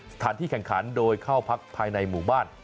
สถานที่แข่งขันโดยเข้าพักภายในหมู่บ้าน